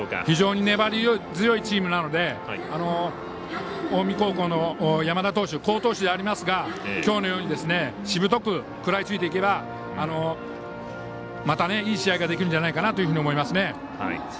非常に粘り強いチームなので近江高校の山田投手好投手ではありますがきょうのようにしぶとく食らいついていけばまた、いい試合ができるんじゃないかなと思いますね。